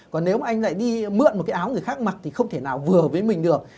còn nếu anh lại đi mượn một cái áo người khác mặc thì không thể nào vừa với mình được